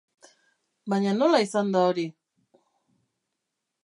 Baina nola izan da hori?